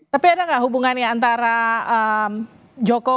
tapi ada nggak hubungannya antara jokowi yang menjaga golkar